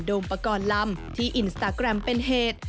มปกรณ์ลำที่อินสตาแกรมเป็นเหตุ